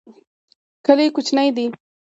کلی کوچنی دی.